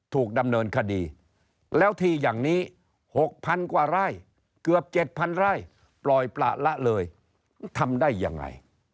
ถูกดำเนินคดีแล้วทีอย่างนี้๖๐๐๐กว่าไร่เกือบ๗๐๐ไร่ปล่อยประละเลยทำได้ยังไง